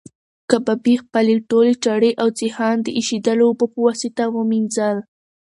کبابي خپلې ټولې چړې او سیخان د ایشېدلو اوبو په واسطه ومینځل.